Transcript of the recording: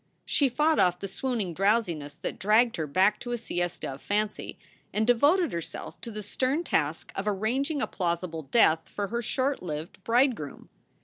She fought off the swooning drowsiness that dragged her back to a siesta of fancy, and devoted herself to the stern task of arranging a plausible death for her shore lived bridegroom.